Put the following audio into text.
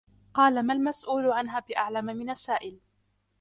قالَ: مَا الْمَسْؤُولُ عَنْها بِأَعْلَمَ مِنَ السَّائِلِ.